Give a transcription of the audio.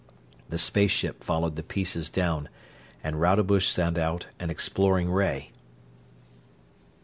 The space ship followed the pieces down, and Rodebush sent out an exploring ray.